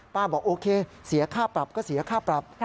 บอกโอเคเสียค่าปรับก็เสียค่าปรับ